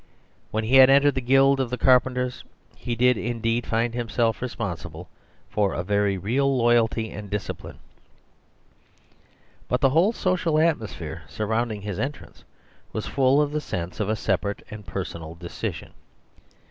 When he had entered the guild of the carpenters he did indeed find himself responsible for a very real loyalty and disci pline; but the whole social atmosphere sur rounding his entrance was full of the sense of a separate and personal decision.